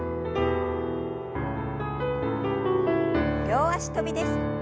両脚跳びです。